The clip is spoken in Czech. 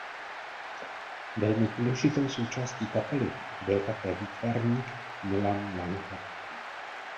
Velmi důležitou součástí kapely byl také výtvarník Milan Langer.